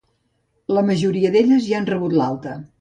La majoria d’elles ja han rebut l’alta.